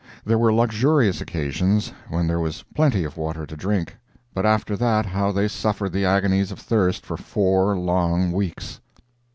There were luxurious occasions when there was plenty of water to drink. But after that how they suffered the agonies of thirst for four long weeks!